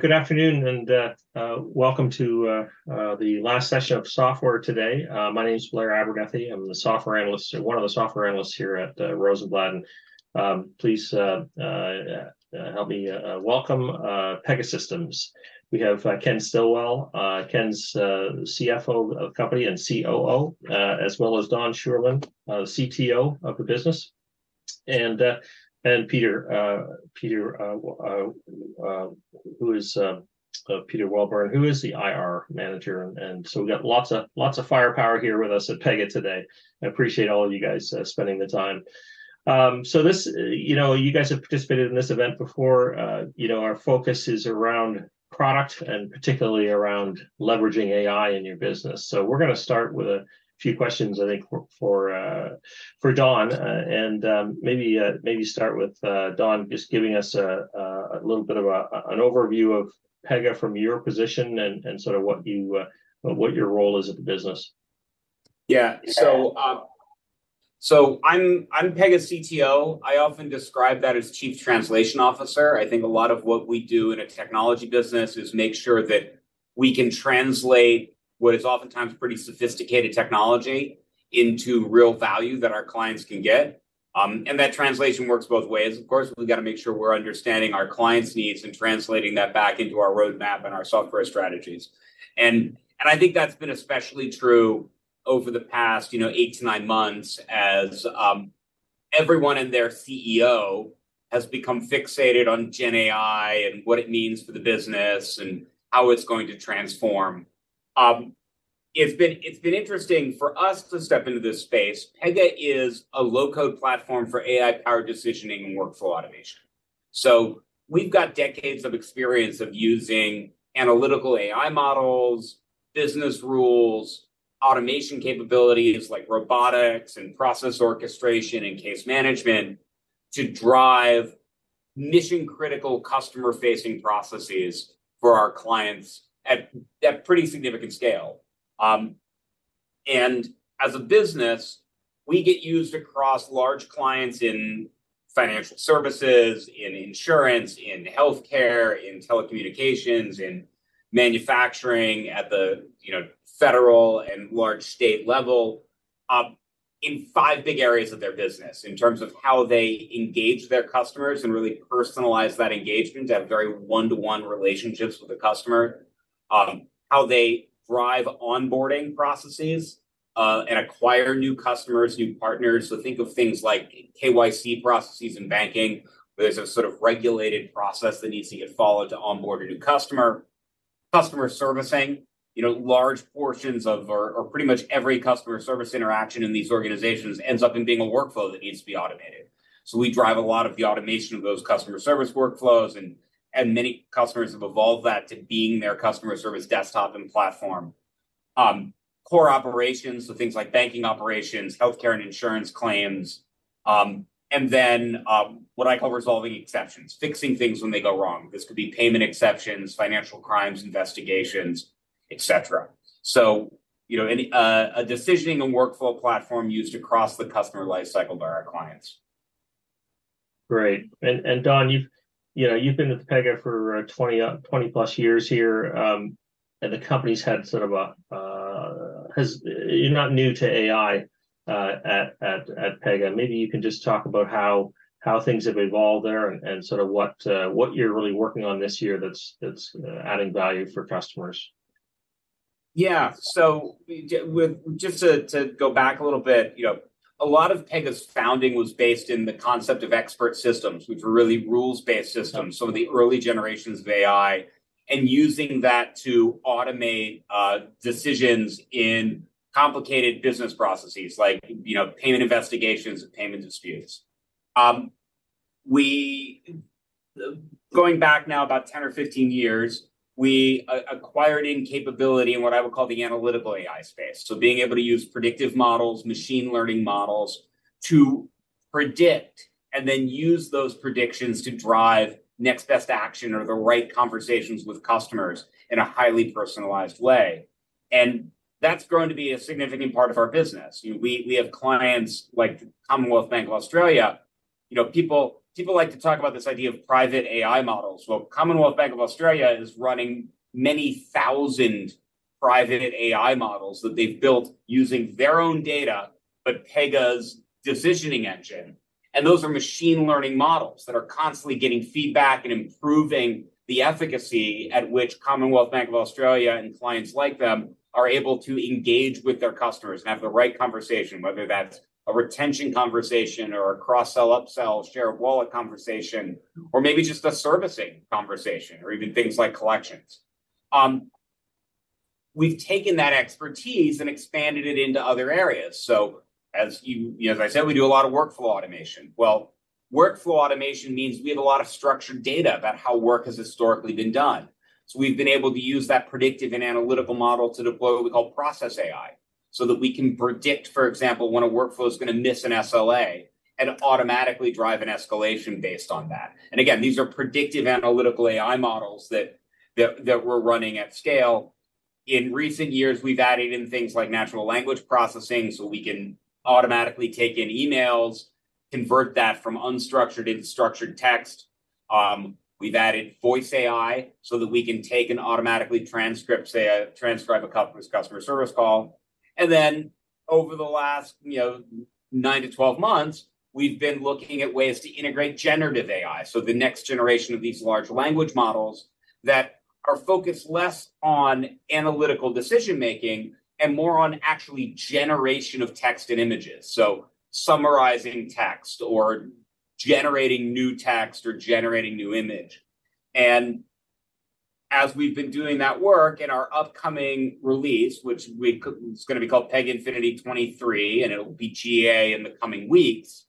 Good afternoon, and welcome to the last session of Software today. My name is Blair Abernethy. I'm the software analyst, one of the software analysts here at Rosenblatt. Please help me welcome Pegasystems. We have Ken Stillwell, Ken's CFO of the company and COO, as well as Don Schuerman, CTO of the business, and Peter, Peter Welburn, who is the IR manager. We've got lots of, lots of firepower here with us at Pega today. I appreciate all of you guys spending the time. This, you know, you guys have participated in this event before. You know, our focus is around product and particularly around leveraging AI in your business. We're gonna start with a few questions, I think, for for Don, and maybe maybe start with Don, just giving us a a little bit of a an overview of Pega from your position and and sort of what you what your role is at the business. Yeah. So, so I'm, I'm Pega's CTO. I often describe that as Chief Translation Officer. I think a lot of what we do in a technology business is make sure that we can translate what is oftentimes pretty sophisticated technology into real value that our clients can get. That translation works both ways. Of course, we've got to make sure we're understanding our clients' needs and translating that back into our roadmap and our software strategies. I think that's been especially true over the past, you know, eight to nine months as everyone and their CEO has become fixated on generative AI, and what it means for the business, and how it's going to transform. It's been, it's been interesting for us to step into this space. Pega is a low-code platform for AI-powered decisioning and workflow automation. We've got decades of experience of using analytical AI models, business rules, automation capabilities like robotics and process orchestration, and case management to drive mission-critical, customer-facing processes for our clients at, at pretty significant scale. As a business, we get used across large clients in financial services, in insurance, in healthcare, in telecommunications, in manufacturing, at the, you know, federal and large state level, in five big areas of their business, in terms of how they engage their customers and really personalize that engagement to have very one-to-one relationships with the customer. How they drive onboarding processes and acquire new customers, new partners. Think of things like KYC processes and banking, where there's a sort of regulated process that needs to get followed to onboard a new customer. Customer servicing, you know, large portions of, or, or pretty much every customer service interaction in these organizations ends up in being a workflow that needs to be automated. We drive a lot of the automation of those customer service workflows, and, and many customers have evolved that to being their customer service desktop and platform. Core operations, so things like banking operations, healthcare and insurance claims, and then, what I call resolving exceptions, fixing things when they go wrong. This could be payment exceptions, financial crimes investigations, etc. You know, any, a decisioning and workflow platform used across the customer life cycle by our clients. Great! Don, you've, you know, you've been with Pega for 20+ years here. You're not new to AI at Pega. Maybe you can just talk about how things have evolved there and sort of what you're really working on this year that's adding value for customers. Yeah. just to go back a little bit, you know, a lot of Pega's founding was based in the concept of expert systems, which were really rules-based systems. Yeah... some of the early generations of AI, and using that to automate decisions in complicated business processes like, you know, payment investigations and payment disputes. We, going back now about 10 years-15 years, we acquired capability in what I would call the analytical AI space. Being able to use predictive models, machine learning models, to predict, and then use those predictions to drive Next-Best-Action or the right conversations with customers in a highly personalized way, and that's grown to be a significant part of our business. We, we have clients like Commonwealth Bank of Australia. You know, people, people like to talk about this idea of private AI models. Well, Commonwealth Bank of Australia is running many thousand private AI models that they've built using their own data, but Pega's decisioning engine, and those are machine learning models that are constantly getting feedback and improving the efficacy at which Commonwealth Bank of Australia and clients like them are able to engage with their customers and have the right conversation, whether that's a retention conversation, or a cross-sell, upsell, share of wallet conversation, or maybe just a servicing conversation, or even things like collections. We've taken that expertise and expanded it into other areas. As you, as I said, we do a lot of workflow automation. Well, workflow automation means we have a lot of structured data about how work has historically been done. We've been able to use that predictive and analytical model to deploy what we call process AI. That we can predict, for example, when a workflow is gonna miss an SLA and automatically drive an escalation based on that. Again, these are predictive analytical AI models that we're running at scale. In recent years, we've added in things like natural language processing, so we can automatically take in emails, convert that from unstructured into structured text. We've added voice AI, so that we can take and automatically transcript, say, transcribe a customer service call. Then, over the last, you know, nine to twelve months, we've been looking at ways to integrate generative AI. The next generation of these large language models that are focused less on analytical decision-making, and more on actually generation of text and images. Summarizing text, or generating new text, or generating new image. As we've been doing that work in our upcoming release, which we it's gonna be called Pega Infinity '23, and it'll be GA in the coming weeks.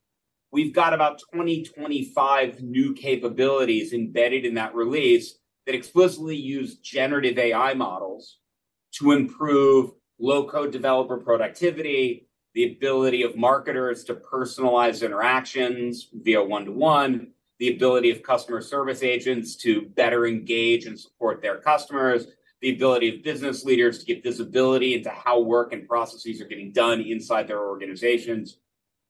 We've got about 20-25 new capabilities embedded in that release that explicitly use generative AI models to improve low-code developer productivity, the ability of marketers to personalize interactions via one-to-one, the ability of customer service agents to better engage and support their customers, the ability of business leaders to get visibility into how work and processes are getting done inside their organizations.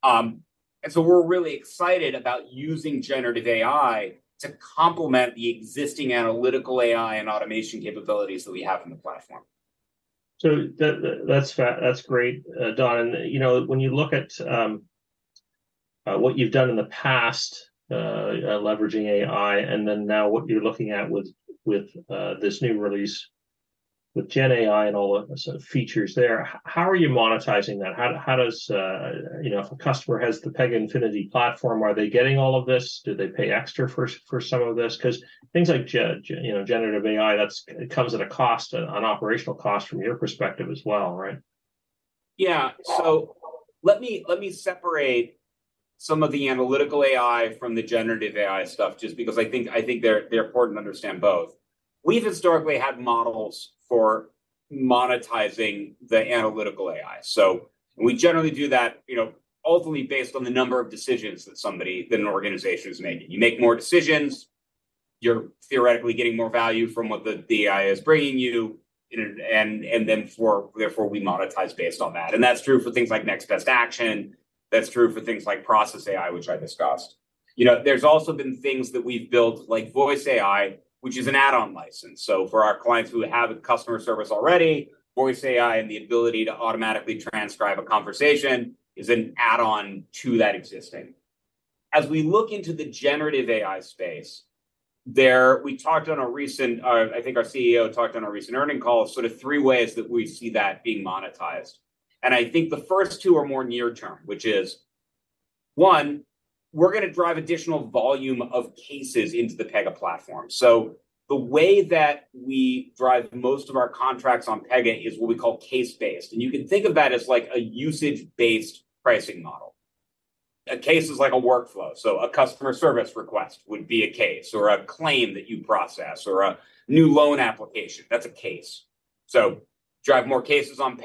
We're really excited about using generative AI to complement the existing analytical AI and automation capabilities that we have in the platform. That's great, Don. You know, when you look at what you've done in the past, leveraging AI, and then now what you're looking at with this new release, with GenAI and all the sort of features there, How are you monetizing that? How does, you know, if a customer has the Pega Infinity platform, are they getting all of this? Do they pay extra for some of this? 'Cause things like you know, generative AI, it comes at a cost, an operational cost from your perspective as well, right? Yeah. Let me, let me separate some of the analytical AI from the generative AI stuff, just because I think, I think they're, they're important to understand both. We've historically had models for monetizing the analytical AI. We generally do that, you know, ultimately based on the number of decisions that somebody, that an organization is making. You make more decisions, you're theoretically getting more value from what the AI is bringing you, and, and, and then therefore, therefore, we monetize based on that. And that's true for things like next-best-action. That's true for things like Process AI, which I discussed. There's also been things that we've built, like Voice AI, which is an add-on license. For our clients who have customer service already, Voice AI and the ability to automatically transcribe a conversation is an add-on to that existing. As we look into the generative AI space, there, we talked on a recent, I think our CEO talked on a recent earnings call, sort of three ways that we see that being monetized. I think the first two are more near term, which is, one, we're gonna drive additional volume of cases into the Pega platform. The way that we drive most of our contracts on Pega is what we call case-based, and you can think of that as, like, a usage-based pricing model. A case is like a workflow, so a customer service request would be a case, or a claim that you process, or a new loan application. That's a case. Drive more cases on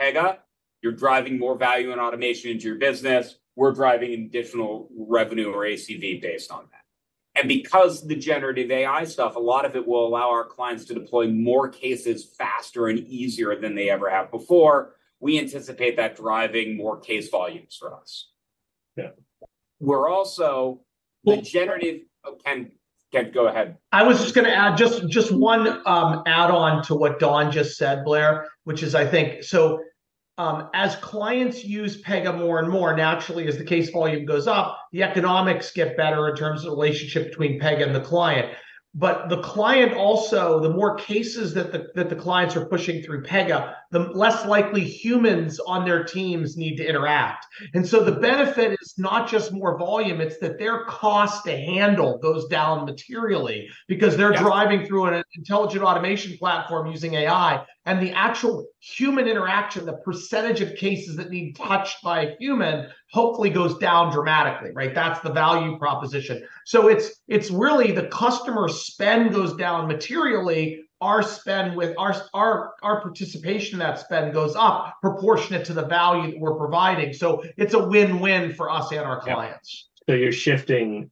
Pega, you're driving more value and automation into your business. We're driving additional revenue or ACV based on that. Because the generative AI stuff, a lot of it will allow our clients to deploy more cases faster and easier than they ever have before, we anticipate that driving more case volumes for us. Yeah. We're Well- The generative... Oh, Ken, Ken, go ahead. I was just gonna add just, just one, add-on to what Don just said, Blair, which is, I think, so, as clients use Pega more and more, naturally, as the case volume goes up, the economics get better in terms of the relationship between Pega and the client. The client also, the more cases that the, that the clients are pushing through Pega, the less likely humans on their teams need to interact. The benefit is not just more volume, it's that their cost to handle goes down materially- Yeah... because they're driving through an intelligent automation platform using AI. The actual human interaction, the percentage of cases that need touched by a human, hopefully goes down dramatically, right? That's the value proposition. It's, it's really the customer spend goes down materially, our spend with our, our, our participation in that spend goes up proportionate to the value we're providing. It's a win-win for us and our clients. Yeah. you're shifting,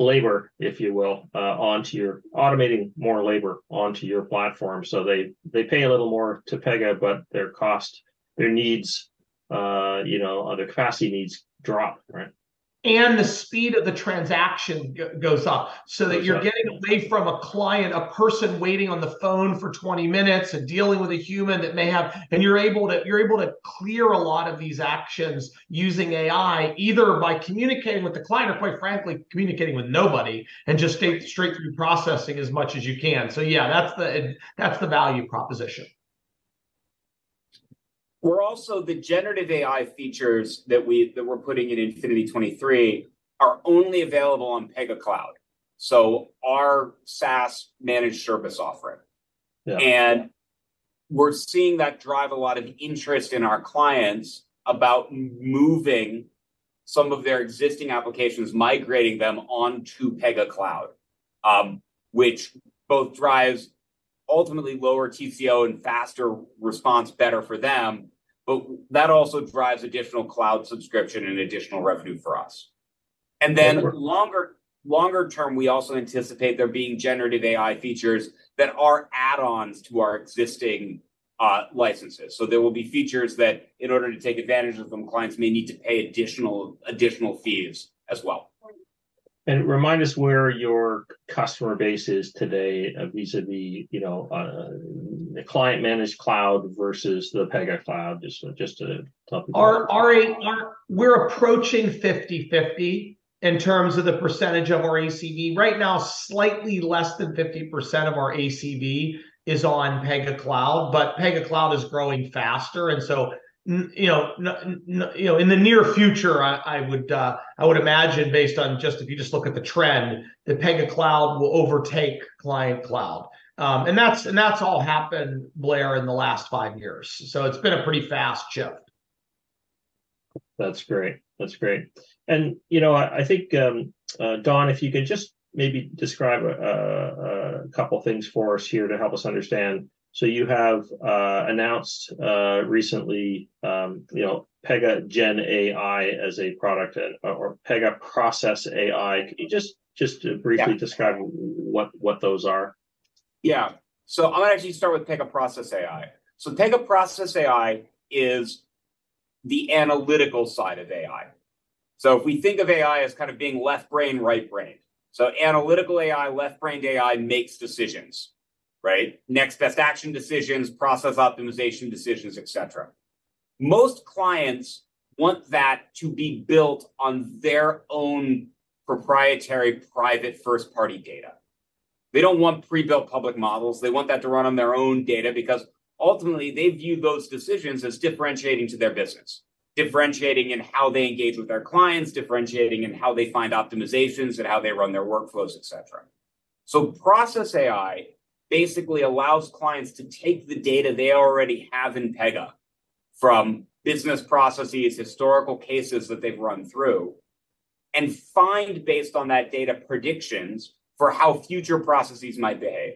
labor, if you will, onto your... Automating more labor onto your platform, so they, they pay a little more to Pega, but their cost, their needs, you know, other capacity needs drop, right? The speed of the transaction goes up. Goes up. That you're getting away from a client, a person waiting on the phone for 20 minutes and dealing with a human that may have... You're able to, you're able to clear a lot of these actions using AI, either by communicating with the client or, quite frankly, communicating with nobody, and just stay straight through processing as much as you can. Yeah, that's the value proposition. We're also, the Generative AI features that we're putting in Infinity '23, are only available on Pega Cloud. Our SaaS managed service offering. Yeah. We're seeing that drive a lot of interest in our clients about moving some of their existing applications, migrating them onto Pega Cloud. Which both drives ultimately lower TCO and faster response, better for them, but that also drives additional cloud subscription and additional revenue for us. Then longer, longer term, we also anticipate there being generative AI features that are add-ons to our existing licenses. So there will be features that in order to take advantage of them, clients may need to pay additional, additional fees as well. Remind us where your customer base is today. Vis-a-vis, you know, the client-managed cloud versus the Pega Cloud, just to talk about. Our, our, our, we're approaching 50/50 in terms of the percentage of our ACV. Right now, slightly less than 50% of our ACV is on Pega Cloud, but Pega Cloud is growing faster, and so, you know, you know, in the near future, I, I would imagine based on just if you just look at the trend, that Pega Cloud will overtake client cloud. That's all happened, Blair, in the last five years. It's been a pretty fast shift. That's great, that's great. You know, I, I think Don, if you could just maybe describe a couple things for us here to help us understand. You have announced recently, you know, Pega GenAI as a product, or Pega Process AI. Can you just- Yeah ...just briefly describe what, what those are? Yeah. I'm gonna actually start with Pega Process AI. Pega Process AI is the analytical side of AI. If we think of AI as kind of being left brain, right brain, analytical AI, left-brained AI, makes decisions, right? Next-best-action decisions, process optimization decisions, et cetera. Most clients want that to be built on their own proprietary, private, first-party data. They don't want pre-built public models. They want that to run on their own data, because ultimately, they view those decisions as differentiating to their business. Differentiating in how they engage with their clients, differentiating in how they find optimizations, and how they run their workflows, et cetera. Process AI basically allows clients to take the data they already have in Pega from business processes, historical cases that they've run through, and find, based on that data, predictions for how future processes might behave.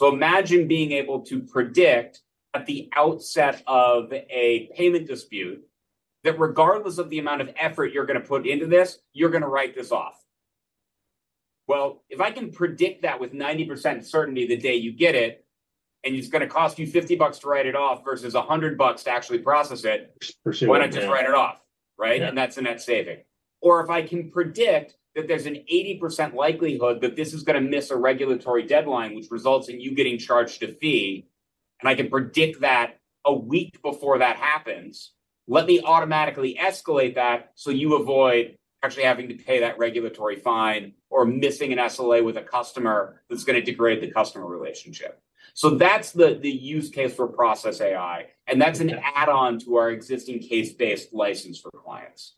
Imagine being able to predict at the outset of a payment dispute that regardless of the amount of effort you're gonna put into this, you're gonna write this off. Well, if I can predict that with 90% certainty the day you get it, and it's gonna cost you $50 to write it off, versus $100 to actually process it. Pursue-... why not just write it off, right? Yeah. That's a net saving. If I can predict that there's an 80% likelihood that this is gonna miss a regulatory deadline, which results in you getting charged a fee, and I can predict that a week before that happens, let me automatically escalate that so you avoid actually having to pay that regulatory fine, or missing an SLA with a customer that's gonna degrade the customer relationship. That's the use case for Process AI, and that's an add-on to our existing case-based license for clients.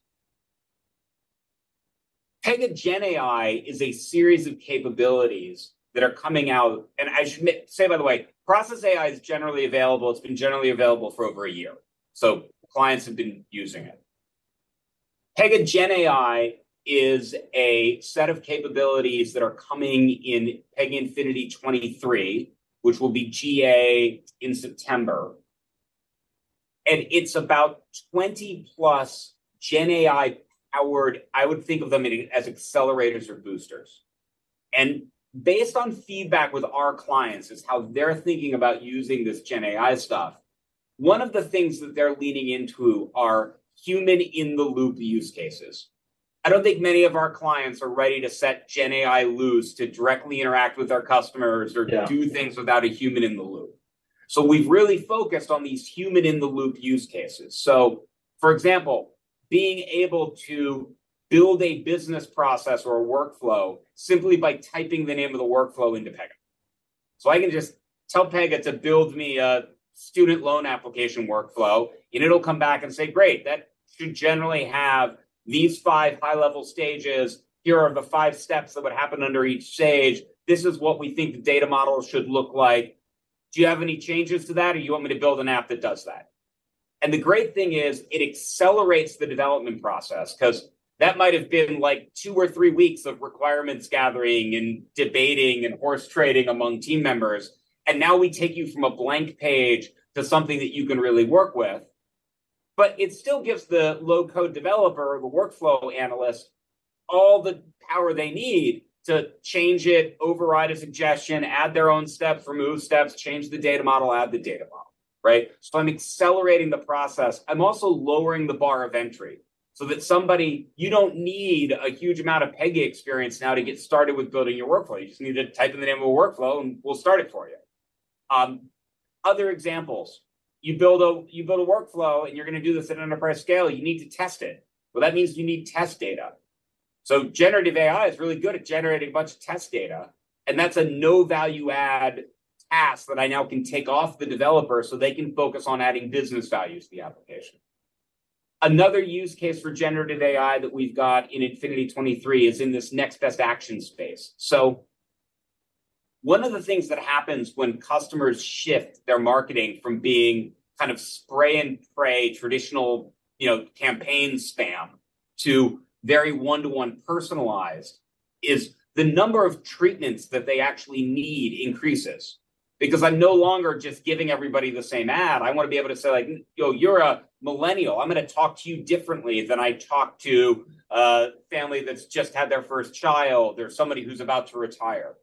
Pega GenAI is a series of capabilities that are coming out, and I should say, by the way, Process AI is generally available, it's been generally available for over a year, so clients have been using it. Pega GenAI is a set of capabilities that are coming in Pega Infinity '23, which will be GA in September. It's about 20-plus generative AI powered, I would think of them as accelerators or boosters. Based on feedback with our clients as how they're thinking about using this generative AI stuff, one of the things that they're leaning into are human-in-the-loop use cases. I don't think many of our clients are ready to set generative AI loose to directly interact with our customers. Yeah... or do things without a human in the loop. We've really focused on these human-in-the-loop use cases. For example, being able to build a business process or a workflow simply by typing the name of the workflow into Pega. I can just tell Pega to build me a student loan application workflow, and it'll come back and say: "Great, that should generally have these five high-level stages. Here are the five steps that would happen under each stage. This is what we think the data model should look like. Do you have any changes to that, or you want me to build an app that does that?" The great thing is, it accelerates the development process, because that might have been, like, two or three weeks of requirements gathering, and debating, and horse trading among team members, and now we take you from a blank page to something that you can really work with. It still gives the low-code developer or the workflow analyst, all the power they need to change it, override a suggestion, add their own step, remove steps, change the data model, add the data model, right? I'm accelerating the process. I'm also lowering the bar of entry, so that somebody You don't need a huge amount of Pega experience now to get started with building your workflow. You just need to type in the name of a workflow, and we'll start it for you. Other examples, you build a, you build a workflow, and you're gonna do this at an enterprise scale, you need to test it. Well, that means you need test data. Generative AI is really good at generating a bunch of test data, and that's a no-value add task that I now can take off the developer, so they can focus on adding business value to the application. Another use case for generative AI that we've got in Pega Infinity '23 is in this next-best-action space. One of the things that happens when customers shift their marketing from being kind of spray and pray, traditional, you know, campaign spam, to very one-to-one personal-... is the number of treatments that they actually need increases, because I'm no longer just giving everybody the same ad. I want to be able to say, like, "Yo, you're a millennial. I'm going to talk to you differently than I talk to a family that's just had their first child, or somebody who's about to retire."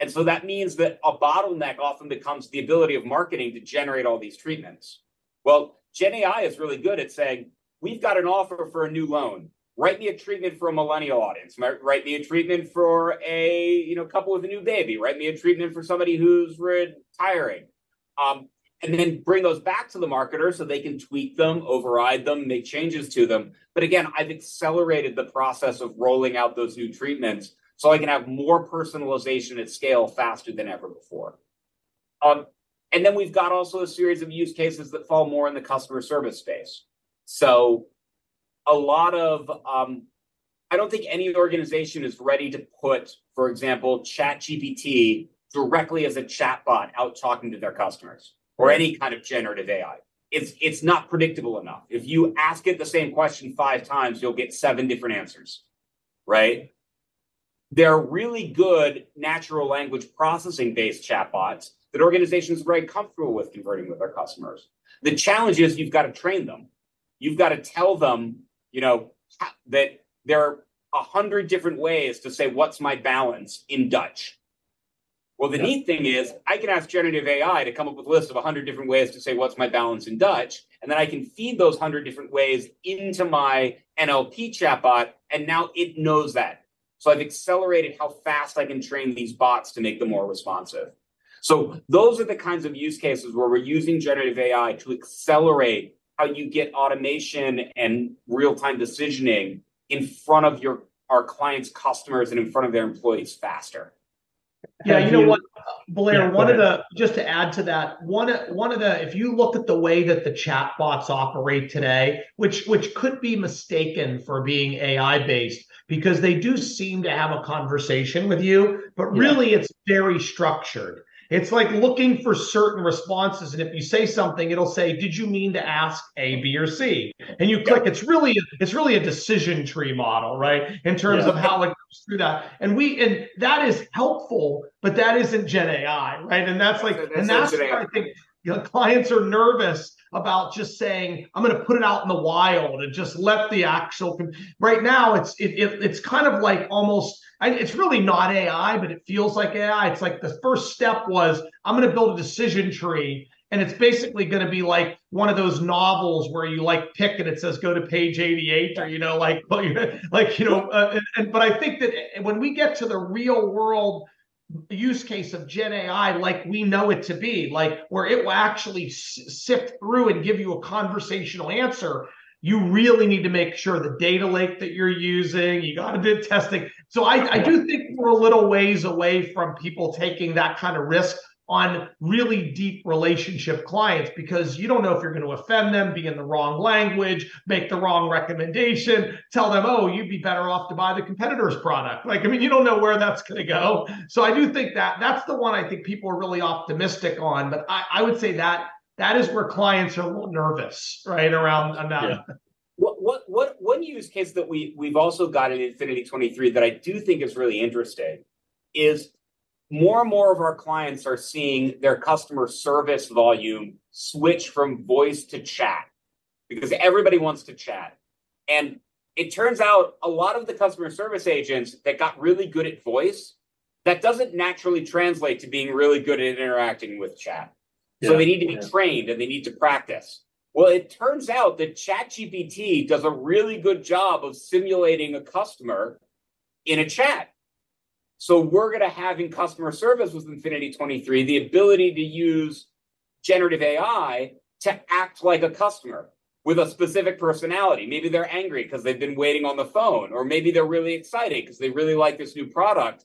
That means that a bottleneck often becomes the ability of marketing to generate all these treatments. Well, GenAI is really good at saying, "We've got an offer for a new loan. Write me a treatment for a millennial audience. Write me a treatment for a, you know, couple with a new baby. Write me a treatment for somebody who's retiring." Then bring those back to the marketer so they can tweak them, override them, make changes to them. Again, I've accelerated the process of rolling out those new treatments, so I can have more personalization at scale faster than ever before. Then we've got also a series of use cases that fall more in the customer service space. A lot of, I don't think any organization is ready to put, for example, ChatGPT directly as a chatbot out talking to their customers, or any kind of generative AI. It's, it's not predictable enough. If you ask it the same question five times, you'll get seven different answers, right? There are really good natural language processing-based chatbots that organizations are very comfortable with converting with their customers. The challenge is you've got to train them. You've got to tell them, you know, how, that there are 100 different ways to say, "What's my balance?" in Dutch. Well, the neat thing is, I can ask generative AI to come up with a list of 100 different ways to say, "What's my balance?" in Dutch. Then I can feed those 100 different ways into my NLP chatbot. Now it knows that. I've accelerated how fast I can train these bots to make them more responsive. Those are the kinds of use cases where we're using generative AI to accelerate how you get automation and real-time decisioning in front of our clients' customers and in front of their employees faster. Yeah, you know what, Blair? Yeah, go ahead. Just to add to that, if you look at the way that the chatbots operate today, which could be mistaken for being AI-based, because they do seem to have a conversation with you. Yeah... but really, it's very structured. It's like looking for certain responses, and if you say something, it'll say, "Did you mean to ask A, B, or C? Yeah. You click. It's really, it's really a decision tree model, right? Yeah. In terms of how it goes through that. That is helpful, but that isn't GenAI, right? That's like. That's not generative AI. That's why I think clients are nervous about just saying, "I'm gonna put it out in the wild," and just let the actual... Right now, it's, it, it, it's kind of like almost, and it's really not AI, but it feels like AI. It's like the first step was, "I'm gonna build a decision tree," and it's basically gonna be like one of those novels where you, like, pick, and it says, "Go to page 88. Yeah. You know, like, like, you know, I think that when we get to the real-world use case of generative AI, like we know it to be, like, where it will actually sift through and give you a conversational answer, you really need to make sure the data lake that you're using, you got to do the testing. Yeah. I, I do think we're a little ways away from people taking that kind of risk on really deep relationship clients, because you don't know if you're going to offend them, be in the wrong language, make the wrong recommendation, tell them, "Oh, you'd be better off to buy the competitor's product." Like, I mean, you don't know where that's gonna go. I do think that that's the one I think people are really optimistic on, but I, I would say that that is where clients are a little nervous, right around on that. Yeah. One, one, one use case that we, we've also got in Infinity '23 that I do think is really interesting is more and more of our clients are seeing their customer service volume switch from voice to chat, because everybody wants to chat. It turns out, a lot of the customer service agents that got really good at voice, that doesn't naturally translate to being really good at interacting with chat. Yeah. They need to be trained, and they need to practice. Well, it turns out that ChatGPT does a really good job of simulating a customer in a chat. We're gonna have in customer service with Infinity '23, the ability to use generative AI to act like a customer with a specific personality. Maybe they're angry 'cause they've been waiting on the phone, or maybe they're really excited 'cause they really like this new product.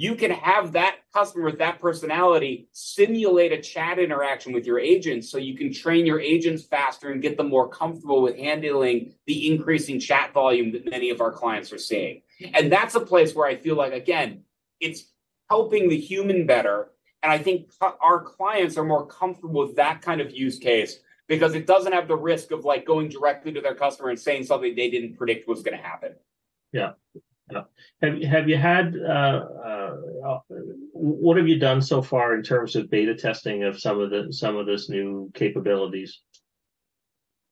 You can have that customer with that personality simulate a chat interaction with your agents, so you can train your agents faster and get them more comfortable with handling the increasing chat volume that many of our clients are seeing. Yeah. That's a place where I feel like, again, it's helping the human better, and I think our, our clients are more comfortable with that kind of use case because it doesn't have the risk of, like, going directly to their customer and saying something they didn't predict was gonna happen. Yeah. Yeah. Have, have you had, what have you done so far in terms of beta testing of some of the, some of these new capabilities?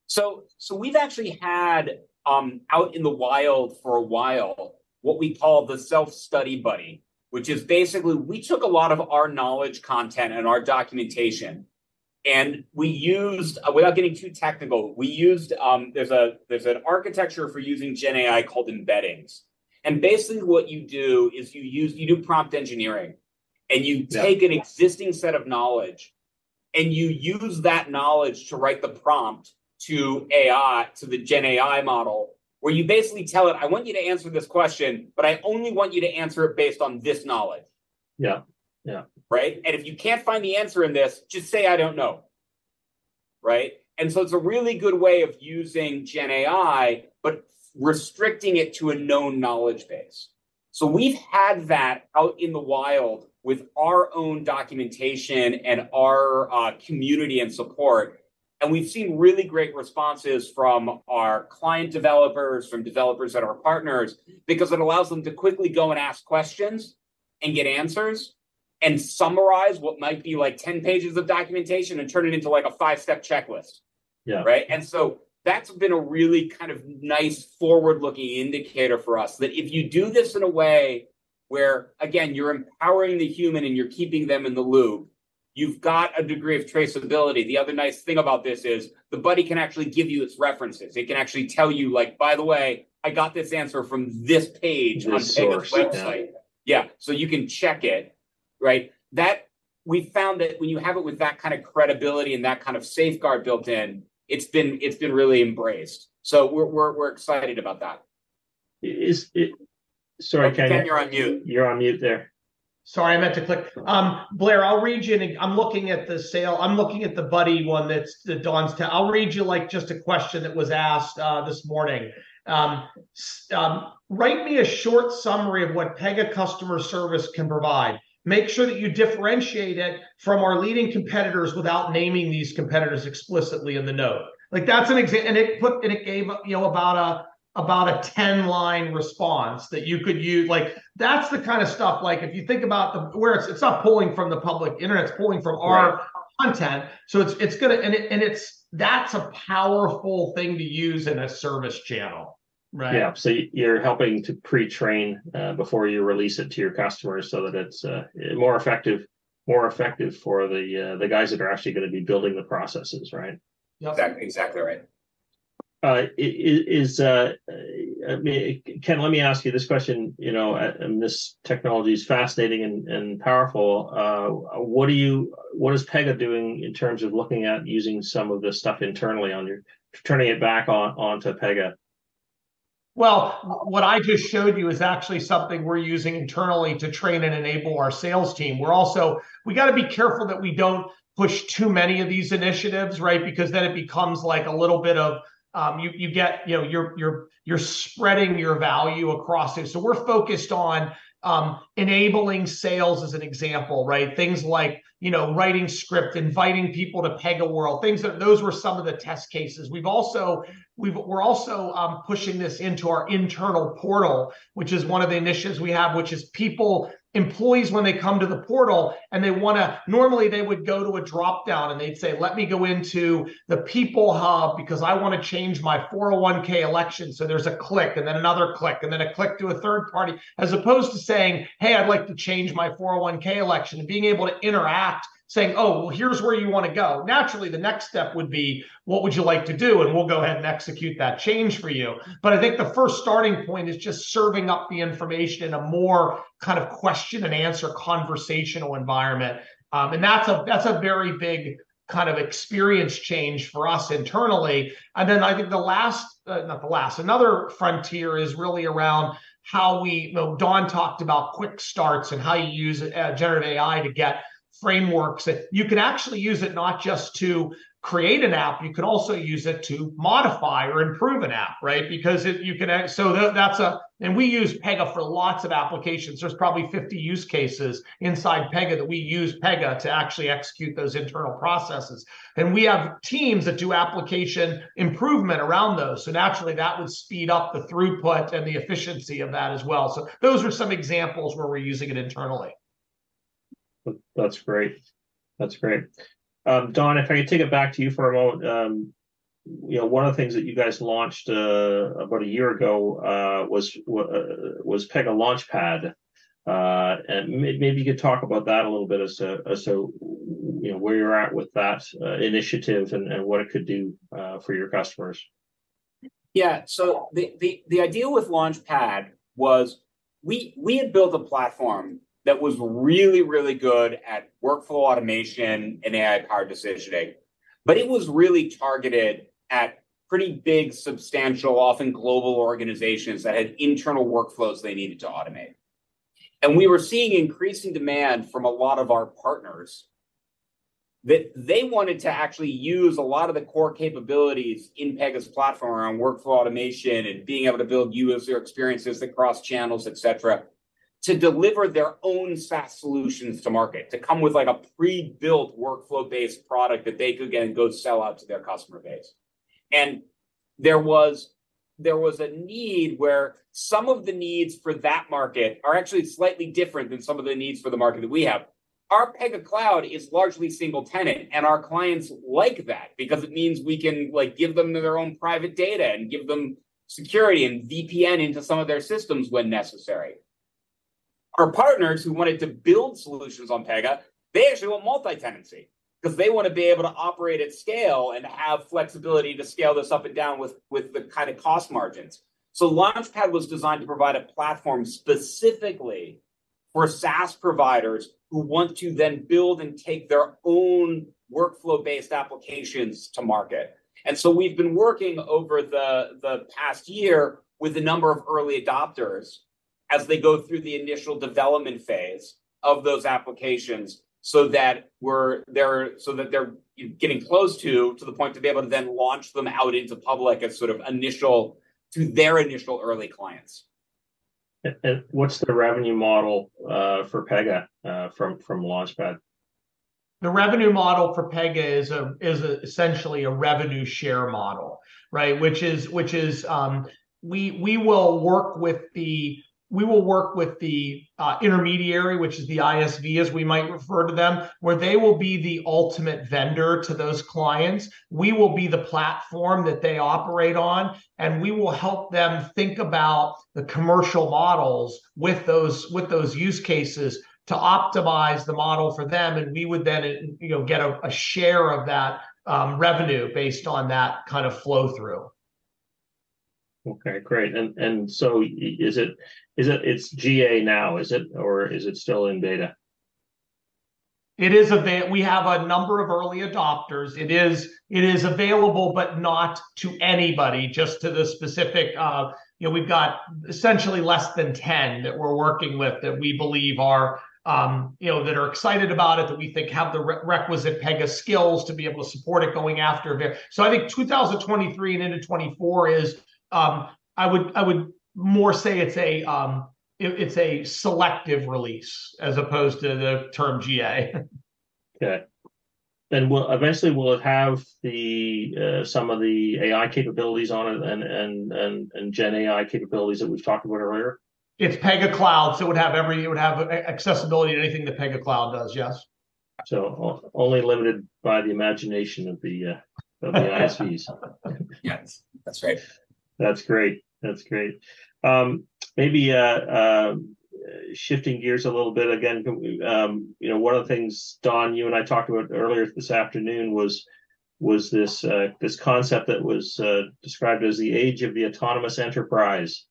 So we've actually had out in the wild for a while, what we call the Self-study Buddy, which is basically, we took a lot of our knowledge content and our documentation, and without getting too technical, we used, there's a, there's an architecture for using GenAI called embeddings. Basically what you do is you do prompt engineering. Yeah. You take an existing set of knowledge, and you use that knowledge to write the prompt to AI, to the GenAI model, where you basically tell it, "I want you to answer this question, but I only want you to answer it based on this knowledge. Yeah, yeah. Right? "And if you can't find the answer in this, just say, I don't know." Right? So it's a really good way of using GenAI, but restricting it to a known knowledge base. We've had that out in the wild with our own documentation and our community and support. We've seen really great responses from our client developers, from developers that are partners, because it allows them to quickly go and ask questions and get answers, and summarize what might be, like, 10 pages of documentation and turn it into, like, a five-step checklist. Yeah. Right? That's been a really kind of nice forward-looking indicator for us, that if you do this in a way where, again, you're empowering the human, and you're keeping them in the loop, you've got a degree of traceability. The other nice thing about this is, the buddy can actually give you its references. It can actually tell you, like, "By the way, I got this answer from this page... This source. Yeah. Yeah, you can check it, right? We found that when you have it with that kind of credibility and that kind of safeguard built in, it's been really embraced. We're excited about that. Is it... Sorry, Ken- Ken, you're on mute. You're on mute there. Sorry, I meant to click. Blair, I'll read you in, I'm looking at the sale. I'm looking at the Buddy one that Don's I'll read you, like, just a question that was asked this morning. "Write me a short summary of what Pega Customer Service can provide. Make sure that you differentiate it from our leading competitors, without naming these competitors explicitly in the note." Like, that's and it put, and it gave, you know, about a, about a 10-line response that you could use. Like, that's the kind of stuff... Like, if you think about the, where it's, it's not pulling from the public internet, it's pulling from our- Right... content. It's, it's gonna, and it's, that's a powerful thing to use in a service channel, right? Yeah. You, you're helping to pre-train, before you release it to your customers, so that it's more effective, more effective for the, the guys that are actually gonna be building the processes, right? Yep. Exactly, exactly right. I mean, Ken, let me ask you this question, you know, and, and this technology is fascinating and, and powerful. What is Pega doing in terms of looking at using some of this stuff internally on your, turning it back on, onto Pega? What I just showed you is actually something we're using internally to train and enable our sales team. We're also- we gotta be careful that we don't push too many of these initiatives, right? Because then it becomes, like, a little bit of, you, you get, you know, you're, you're, you're spreading your value across it. We're focused on, enabling sales as an example, right? Things like, you know, writing script, inviting people to PegaWorld, things that, those were some of the test cases. We've also- we've, we're also, pushing this into our internal portal, which is one of the initiatives we have, which is people, employees, when they come to the portal, and they wanna... Normally, they would go to a dropdown, and they'd say, "Let me go into the People Hub, because I want to change my 401(k) election." There's a click, and then another click, and then a click to a third party. As opposed to saying, "Hey, I'd like to change my 401(k) election," and being able to interact, saying, "Oh, well, here's where you want to go." Naturally, the next step would be, "What would you like to do? We'll go ahead and execute that change for you." I think the first starting point is just serving up the information in a more kind of question-and-answer conversational environment. That's a, that's a very big kind of experience change for us internally. Then, I think the last, not the last, another frontier is really around how we... Don talked about quick starts, and how you use generative AI to get frameworks. You can actually use it not just to create an app, you can also use it to modify or improve an app, right? If you can so that, that's a. We use Pega for lots of applications. There's probably 50 use cases inside Pega, that we use Pega to actually execute those internal processes. We have teams that do application improvement around those, so naturally, that would speed up the throughput and the efficiency of that as well. Those are some examples where we're using it internally. That, that's great. That's great. Don, if I could take it back to you for a moment. You know, one of the things that you guys launched, about a year ago, was, was Pega Launchpad. Maybe you could talk about that a little bit, as to, as to, you know, where you're at with that, initiative, and, and what it could do, for your customers. Yeah. So the, the, the idea with Launchpad was, we, we had built a platform that was really, really good at workflow automation and AI-powered decisioning. It was really targeted at pretty big, substantial, often global organizations, that had internal workflows they needed to automate. We were seeing increasing demand from a lot of our partners, that they wanted to actually use a lot of the core capabilities in Pega's platform, around workflow automation, and being able to build user experiences across channels, et cetera, to deliver their own SaaS solutions to market. To come with, like, a pre-built workflow-based product that they could then go sell out to their customer base. There was, there was a need where some of the needs for that market are actually slightly different than some of the needs for the market that we have. Our Pega Cloud is largely single-tenant, and our clients like that, because it means we can, like, give them their own private data, and give them security, and VPN into some of their systems when necessary. Our partners who wanted to build solutions on Pega, they actually want multi-tenancy, 'cause they want to be able to operate at scale and have flexibility to scale this up and down with, with the kind of cost margins. Launchpad was designed to provide a platform specifically for SaaS providers, who want to then build and take their own workflow-based applications to market. We've been working over the past year with a number of early adopters, as they go through the initial development phase of those applications, so that they're getting close to the point to be able to then launch them out into public as sort of initial, to their initial early clients.... what's the revenue model for Pega from, from Launchpad? The revenue model for Pega is essentially a revenue share model, right? Which is, which is, we will work with the intermediary, which is the ISV, as we might refer to them, where they will be the ultimate vendor to those clients. We will be the platform that they operate on, and we will help them think about the commercial models with those, with those use cases to optimize the model for them, and we would then, you know, get a share of that revenue based on that kind of flow-through. Okay, great. So it's GA now, is it, or is it still in beta? It is. We have a number of early adopters. It is, it is available, but not to anybody, just to the specific. You know, we've got essentially less than 10 that we're working with, that we believe are, you know, that are excited about it, that we think have the requisite Pega skills to be able to support it going after. I think 2023 and into 2024 is, I would, I would more say it's a, it, it's a selective release as opposed to the term GA. Okay. Eventually, we'll have the some of the AI capabilities on it and GenAI capabilities that we talked about earlier? It's Pega Cloud, so it would have accessibility to anything that Pega Cloud does, yes. Only limited by the imagination of the ISVs. Yes, that's right. That's great. That's great. Maybe, shifting gears a little bit again, you know, one of the things, Don, you and I talked about earlier this afternoon was, was this concept that was described as the age of the autonomous enterprise...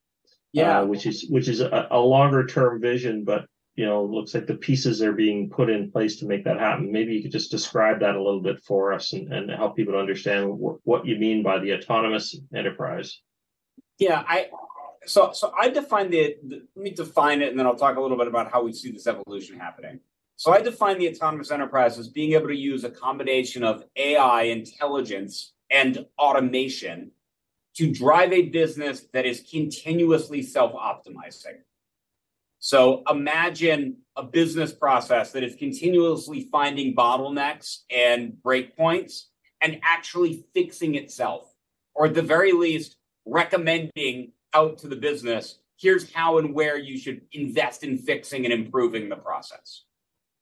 Yeah... which is, which is a, a longer term vision, but, you know, looks like the pieces are being put in place to make that happen. Maybe you could just describe that a little bit for us and, and to help people to understand what, what you mean by the autonomous enterprise. Yeah, I... I define the, let me define it, and then I'll talk a little bit about how we see this evolution happening. I define the autonomous enterprise as being able to use a combination of AI intelligence and automation to drive a business that is continuously self-optimizing. Imagine a business process that is continuously finding bottlenecks and breakpoints, and actually fixing itself, or at the very least, recommending out to the business, "Here's how and where you should invest in fixing and improving the process."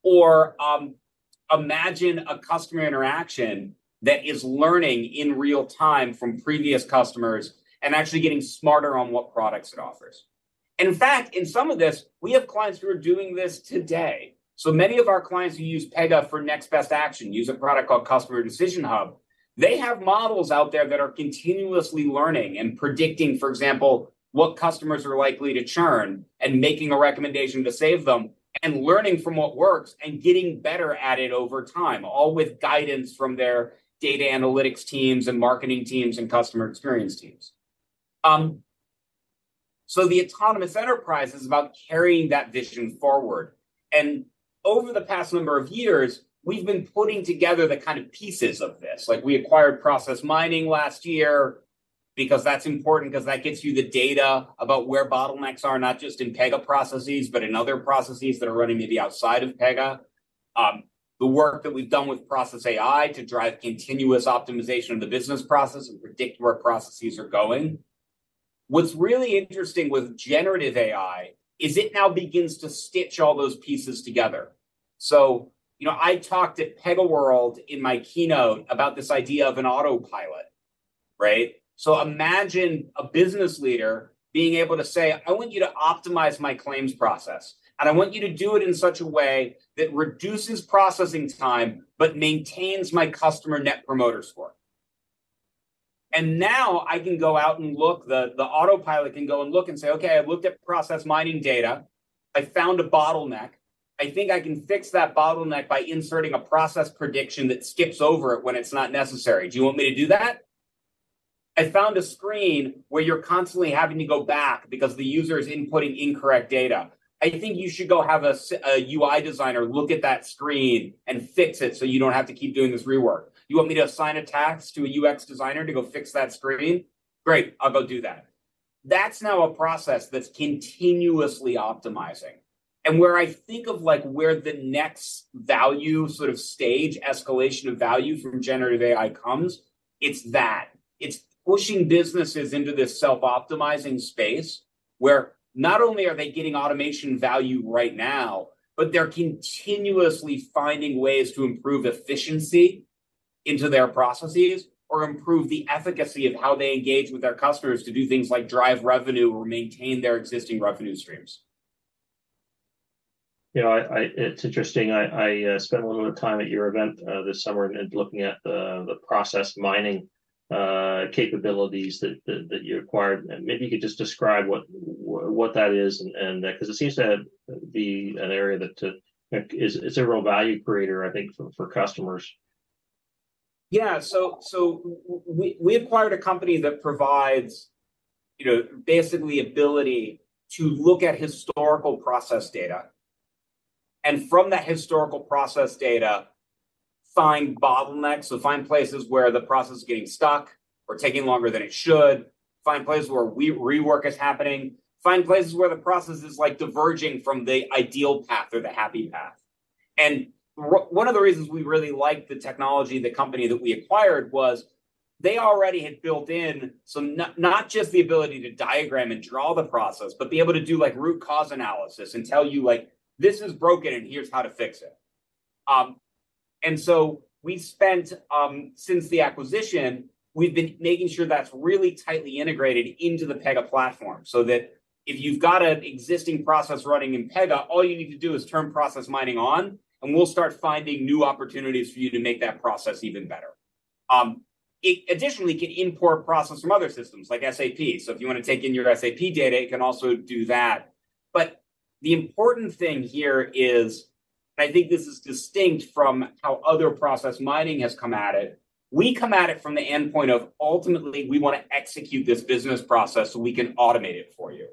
Or, imagine a customer interaction that is learning in real time from previous customers, and actually getting smarter on what products it offers. And in fact, in some of this, we have clients who are doing this today. Many of our clients who use Pega for next best action, use a product called Pega Customer Decision Hub. They have models out there that are continuously learning and predicting, for example, what customers are likely to churn, and making a recommendation to save them, and learning from what works, and getting better at it over time, all with guidance from their data analytics teams, and marketing teams, and customer experience teams. So the autonomous enterprise is about carrying that vision forward. Over the past number of years, we've been putting together the kind of pieces of this. Like, we acquired Process Mining last year, because that's important, because that gets you the data about where bottlenecks are, not just in Pega processes, but in other processes that are running maybe outside of Pega. The work that we've done with Process AI to drive continuous optimization of the business process and predict where processes are going. What's really interesting with generative AI is it now begins to stitch all those pieces together. You know, I talked at PegaWorld in my keynote about this idea of an autopilot, right? Imagine a business leader being able to say, "I want you to optimize my claims process, and I want you to do it in such a way that reduces processing time, but maintains my customer Net Promoter Score." Now, I can go out and look, the autopilot can go and look and say, "Okay, I've looked at Process Mining data, I found a bottleneck. I think I can fix that bottleneck by inserting a process prediction that skips over it when it's not necessary. Do you want me to do that? I found a screen where you're constantly having to go back because the user is inputting incorrect data. I think you should go have a UI designer look at that screen and fix it, so you don't have to keep doing this rework. You want me to assign a task to a UX designer to go fix that screen? Great, I'll go do that." That's now a process that's continuously optimizing, and where I think of, like, where the next value, sort of, stage, escalation of value from generative AI comes, it's that. It's pushing businesses into this self-optimizing space, where not only are they getting automation value right now, but they're continuously finding ways to improve efficiency into their processes, or improve the efficacy of how they engage with their customers to do things like drive revenue or maintain their existing revenue streams. You know, I, I, it's interesting, I, I, spent a little time at your event, this summer and looking at the, the Process Mining, capabilities that, that, that you acquired, and maybe you could just describe what, what that is, and, and, 'cause it seems to be an area that, is, is a real value creator, I think, for, for customers. Yeah. So, we, we acquired a company that provides, you know, basically ability to look at historical process data. From that historical process data, find bottlenecks, so find places where the process is getting stuck or taking longer than it should. Find places where rework is happening. Find places where the process is, like, diverging from the ideal path or the happy path. One of the reasons we really like the technology and the company that we acquired was, they already had built in some not just the ability to diagram and draw the process, but be able to do, like, root cause analysis and tell you, like, "This is broken, and here's how to fix it." So we spent since the acquisition, we've been making sure that's really tightly integrated into the Pega platform, so that if you've got an existing process running in Pega, all you need to do is turn Process Mining on, and we'll start finding new opportunities for you to make that process even better. It additionally can import processes from other systems, like SAP, so if you want to take in your SAP data, it can also do that. The important thing here is, and I think this is distinct from how other process mining has come at it, we come at it from the endpoint of ultimately, we want to execute this business process, so we can automate it for you.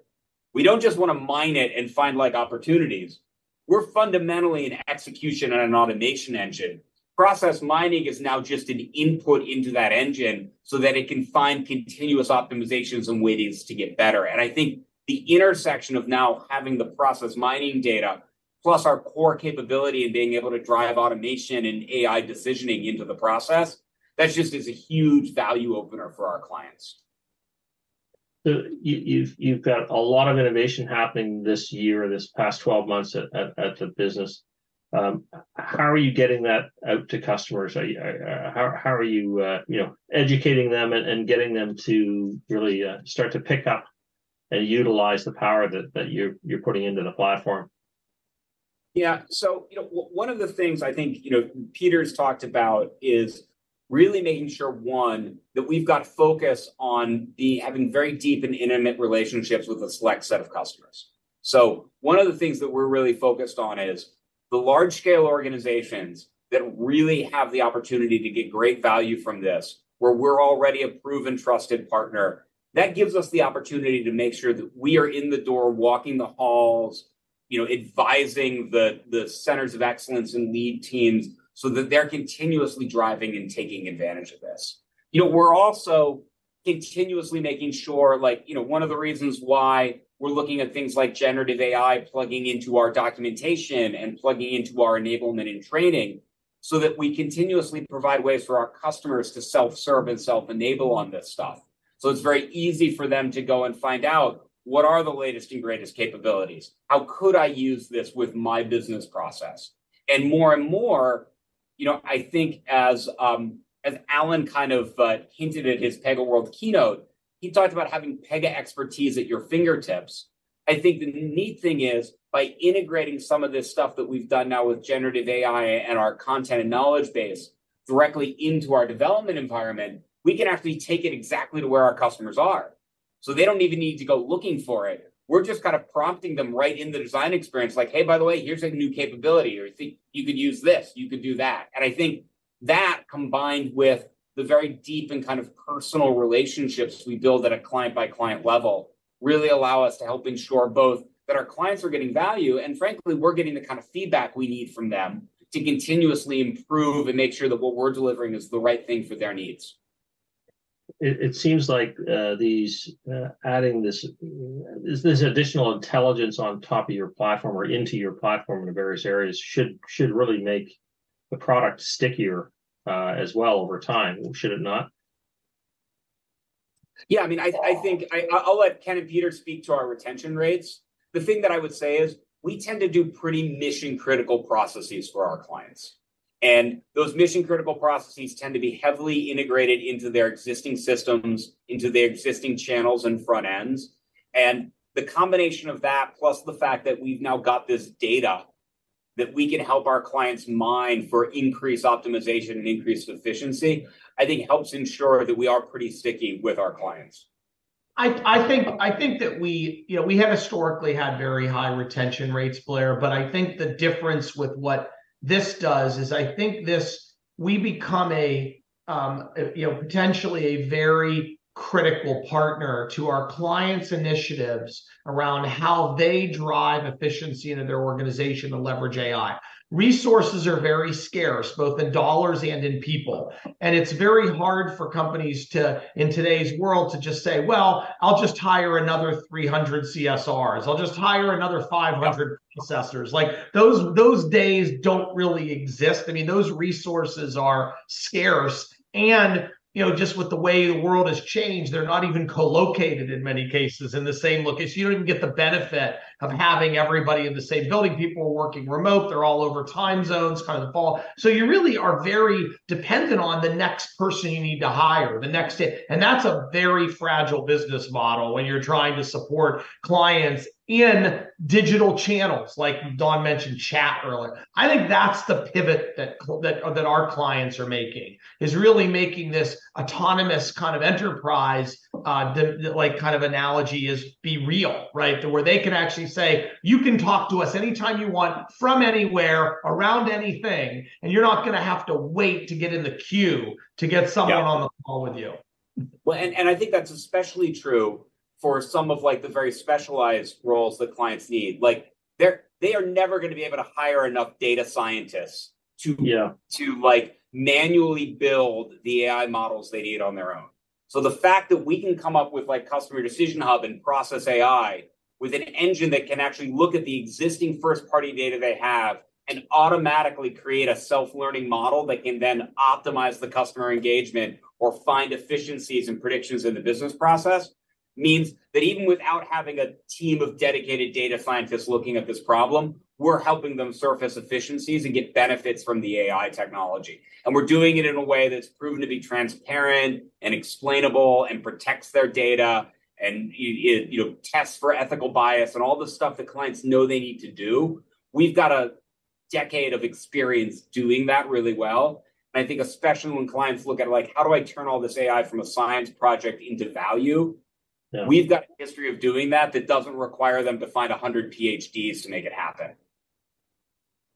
We don't just want to mine it and find, like, opportunities. We're fundamentally an execution and an automation engine. Process mining is now just an input into that engine, so that it can find continuous optimizations and ways to get better. I think the intersection of now having the process mining data, plus our core capability in being able to drive automation and AI decisioning into the process, that just is a huge value opener for our clients. You, you've, you've got a lot of innovation happening this year, this past 12 months at, at, at the business. How are you getting that out to customers? How, how are you, you know, educating them and, and getting them to really, start to pick up and utilize the power that, that you're, you're putting into the platform? Yeah. You know, one of the things I think, you know, Peter's talked about is really making sure, one, that we've got focus on the having very deep and intimate relationships with a select set of customers. One of the things that we're really focused on is the large-scale organizations that really have the opportunity to get great value from this, where we're already a proven, trusted partner. That gives us the opportunity to make sure that we are in the door, walking the halls, you know, advising the, the centers of excellence and lead teams, so that they're continuously driving and taking advantage of this. You know, we're also continuously making sure, like, you know, one of the reasons why we're looking at things like generative AI, plugging into our documentation, and plugging into our enablement and training, so that we continuously provide ways for our customers to self-serve and self-enable on this stuff. It's very easy for them to go and find out what are the latest and greatest capabilities? How could I use this with my business process? More and more, you know, I think as Alan kind of hinted at his PegaWorld keynote, he talked about having Pega expertise at your fingertips. I think the neat thing is, by integrating some of this stuff that we've done now with generative AI and our content and knowledge base directly into our development environment, we can actually take it exactly to where our customers are, so they don't even need to go looking for it. We're just kind of prompting them right in the design experience. Like, "Hey, by the way, here's a new capability," or, "I think you could use this, you could do that." I think that, combined with the very deep and kind of personal relationships we build at a client-by-client level, really allow us to help ensure both that our clients are getting value, and frankly, we're getting the kind of feedback we need from them to continuously improve and make sure that what we're delivering is the right thing for their needs. It, it seems like, these, adding this, this additional intelligence on top of your platform or into your platform in the various areas should, should really make the product stickier, as well over time, should it not? Yeah, I mean, I think I'll let Ken and Peter speak to our retention rates. The thing that I would say is we tend to do pretty mission-critical processes for our clients, and those mission-critical processes tend to be heavily integrated into their existing systems, into their existing channels and front ends. The combination of that, plus the fact that we've now got this data, that we can help our clients mine for increased optimization and increased efficiency, I think helps ensure that we are pretty sticky with our clients. I, I think, I think that we, you know, we have historically had very high retention rates, Blair. I think the difference with what this does is, I think this... We become a, you know, potentially a very critical partner to our clients' initiatives around how they drive efficiency into their organization to leverage AI. Resources are very scarce, both in dollars and in people, and it's very hard for companies to, in today's world, to just say, "Well, I'll just hire another 300 CSRs. I'll just hire another 500- Yeah ... assessors." Like, those, those days don't really exist. I mean, those resources are scarce, and, you know, just with the way the world has changed, they're not even co-located in many cases, in the same location. You don't even get the benefit of having everybody in the same building. People are working remote. They're all over time zones, kind of the fall. You really are very dependent on the next person you need to hire, the next day. That's a very fragile business model when you're trying to support clients in digital channels, like Don mentioned chat earlier. I think that's the pivot that our clients are making, is really making this autonomous kind of enterprise, the kind of analogy is be real, right? To where they can actually say, "You can talk to us anytime you want, from anywhere, around anything, and you're not gonna have to wait to get in the queue. Yeah... someone on the call with you. I think that's especially true for some of, like, the very specialized roles that clients need. Like, they're, they are never gonna be able to hire enough data scientists to- Yeah... to, like, manually build the AI models they need on their own. The fact that we can come up with, like, Pega Customer Decision Hub and Pega Process AI, with an engine that can actually look at the existing first-party data they have and automatically create a self-learning model that can then optimize the customer engagement or find efficiencies and predictions in the business process, means that even without having a team of dedicated data scientists looking at this problem, we're helping them surface efficiencies and get benefits from the AI technology. We're doing it in a way that's proven to be transparent, and explainable, and protects their data and, it, you know, tests for ethical bias, and all the stuff that clients know they need to do. We've got a decade of experience doing that really well. I think especially when clients look at, like, how do I turn all this AI from a science project into value? Yeah. We've got a history of doing that, that doesn't require them to find 100 PhDs to make it happen.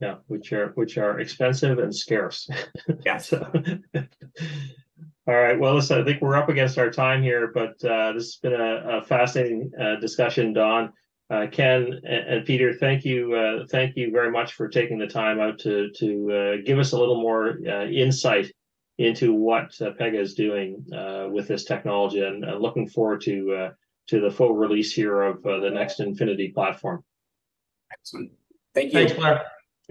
Yeah, which are, which are expensive and scarce. Yeah. All right. Well, listen, I think we're up against our time here, but this has been a fascinating discussion, Don. Ken and Peter, thank you, thank you very much for taking the time out to give us a little more insight into what Pega is doing with this technology, and looking forward to the full release here of the next Pega Infinity. Excellent. Thank you. Thanks, Blair.